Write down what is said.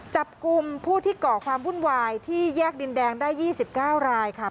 จับกลุ่มผู้ที่ก่อความวุ่นวายที่แยกดินแดงได้๒๙รายค่ะ